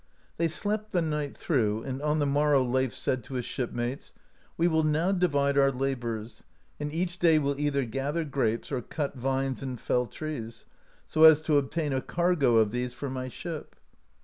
They slept the night through, and on the morrow Leif said to his shipmates : "We will now divide our labours, and each day will either gather grapes or cut vines and fell trees, so as to obtain a cargo of these for my ship."